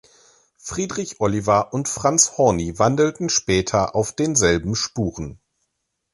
Friedrich Olivier und Franz Horny wandelten später auf denselben Spuren.